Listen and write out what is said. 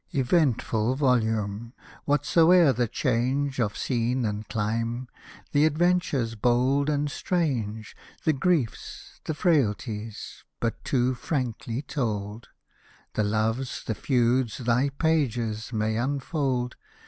Eventful volume ! whatsoe'er the change Of scene and cHme — th' adventures, bold and strange — The griefs — the frailties, but too frankly told — The loves, the feuds thy pages may unfold.